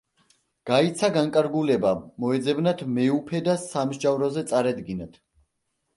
გაიცა განკარგულება, მოეძებნათ მეუფე და სამსჯავროზე წარედგინათ.